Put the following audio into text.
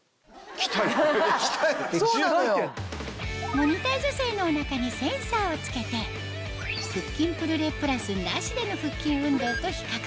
モニター女性のお腹にセンサーを付けて腹筋プルレプラスなしでの腹筋運動と比較